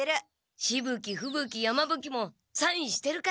しぶ鬼ふぶ鬼山ぶ鬼もサインしてるから。